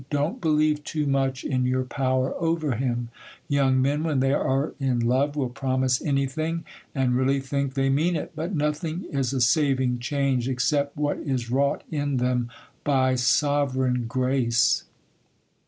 Don't believe too much in your power over him:—young men, when they are in love, will promise anything, and really think they mean it; but nothing is a saving change, except what is wrought in them by sovereign grace.